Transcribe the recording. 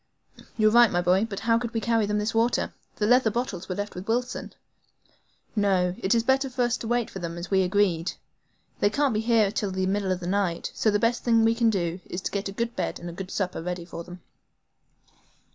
"You're right my boy; but how could we carry them this water? The leather bottles were left with Wilson. No; it is better for us to wait for them as we agreed. They can't be here till about the middle of the night, so the best thing we can do is to get a good bed and a good supper ready for them."